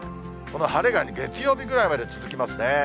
この晴れが月曜日ぐらいまで続きますね。